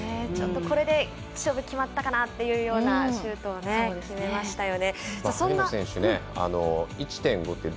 これで勝負決まったかなってシュートを決めましたね。